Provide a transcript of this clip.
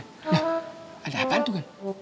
ya ada apaan tuh kan